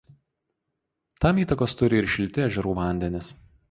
Tam įtakos turi ir šilti ežerų vandenys.